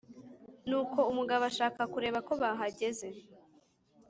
nuko umugabo ashaka kureba ko bahagezr